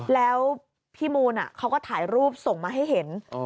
แล้วพี่มูลเขาก็ถ่ายรูปส่งมาให้เห็น